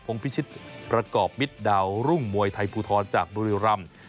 พรุ่งพิชิตประกอบมิตรดาวร่วงมวยไทยปูทรจากดุลิรั่ม